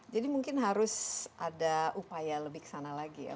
jadi mungkin harus ada upaya lebih ke sana lagi ya